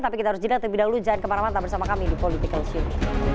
tapi kita harus jelang lebih dahulu jangan kemana mana bersama kami di politik kelsiun